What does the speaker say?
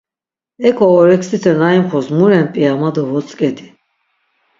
Eǩo oreksite na imxors mu ren p̌ia ma do votzǩedi.